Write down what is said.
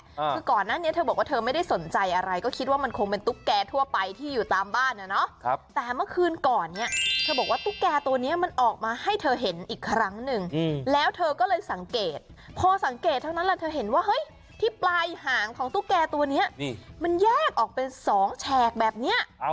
คือก่อนหน้านี้เธอบอกว่าเธอไม่ได้สนใจอะไรก็คิดว่ามันคงเป็นตุ๊กแก่ทั่วไปที่อยู่ตามบ้านอ่ะเนาะครับแต่เมื่อคืนก่อนเนี้ยเธอบอกว่าตุ๊กแก่ตัวเนี้ยมันออกมาให้เธอเห็นอีกครั้งหนึ่งแล้วเธอก็เลยสังเกตพอสังเกตเท่านั้นแหละเธอเห็นว่าเฮ้ยที่ปลายหางของตุ๊กแก่ตัวเนี้ยนี่มันแยกออกเป็นสองแฉกแบบเนี้ย